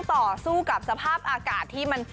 ต่อสู้กับสภาพอากาศที่มัน